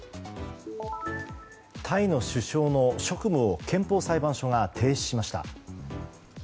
タイの首相の職務を憲法裁判所が停止しました。